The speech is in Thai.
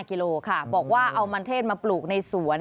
กิโลค่ะบอกว่าเอามันเทศมาปลูกในสวน